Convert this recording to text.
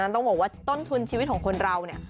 ต้องบอกว่าต้นทุนชีวิตของคนเราเนี่ย